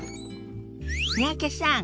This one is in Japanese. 三宅さん